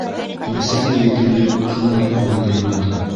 Бесәне етерлек, шуныһы күңелде йыуата.